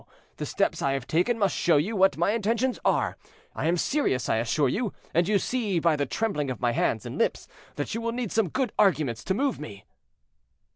the steps I have taken must show you what my intentions are. I am serious, I assure you, and you see by the trembling of my hands and lips that you will need some good arguments to move me."